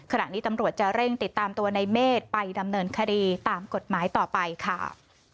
ขณะนี้ตำรวจจะเร่งติดตามตัวในเมฆไปดำเนินคดีตามกฎหมายต่อไปค่ะ